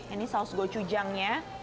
ini saus gochujangnya